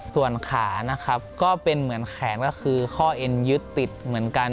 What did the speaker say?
ส่วนขานะครับก็เป็นเหมือนแขนก็คือข้อเอ็นยึดติดเหมือนกัน